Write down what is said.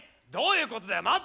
どういうことだよ？